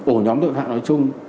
ổ nhóm tội phạm nói chung